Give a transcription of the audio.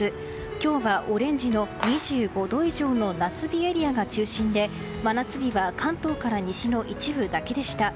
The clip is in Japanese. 今日はオレンジの２５度以上の夏日エリアが中心で真夏日が関東から西の一部だけでした。